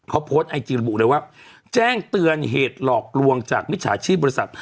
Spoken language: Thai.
เขาโพสต์ไอจีระบุเลยว่าแจ้งเตือนเหตุหลอกลวงจากมิจฉาชีพบริษัท